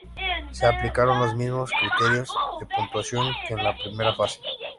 Se aplicaron los mismos criterios de puntuación que en la primera fase.